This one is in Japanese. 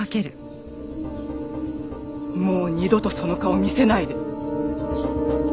もう二度とその顔見せないで。